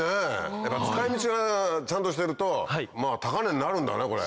やっぱ使い道がちゃんとしてると高値になるんだねこれ。